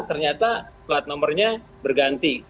ternyata plat nomornya berganti